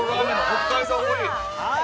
北海道盛。